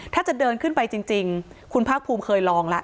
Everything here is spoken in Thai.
ถ้าจะเดินขึ้นไปจริงคุณภาคภูมิเคยลองแล้ว